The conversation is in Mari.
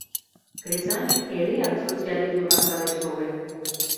— Кресаньык эреак социализм ваштареш шоген.